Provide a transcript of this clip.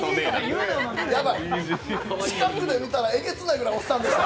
近くで見たらえげつないくらいおっさんでした。